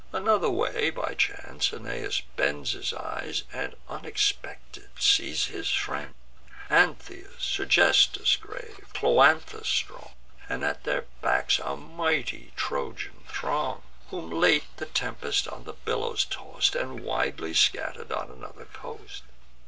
Another way by chance Aeneas bends His eyes, and unexpected sees his friends, Antheus, Sergestus grave, Cloanthus strong, And at their backs a mighty Trojan throng, Whom late the tempest on the billows toss'd, And widely scatter'd on another coast.